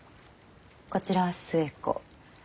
こちらは寿恵子。